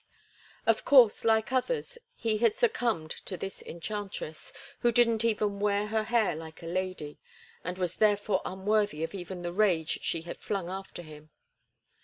Of course, like others, he had succumbed to this enchantress, who didn't even wear her hair like a lady, and was therefore unworthy of even the rage she had flung after him.